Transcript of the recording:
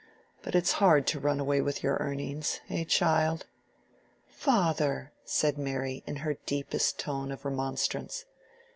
"But it's hard to run away with your earnings, eh child." "Father!" said Mary, in her deepest tone of remonstrance.